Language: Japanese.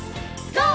ＧＯ！